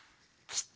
きた！